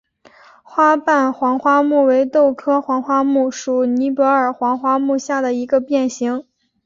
毛瓣黄花木为豆科黄花木属尼泊尔黄花木下的一个变型。